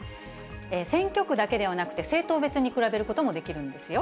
選挙区だけではなくて、政党別に比べることもできるんですよ。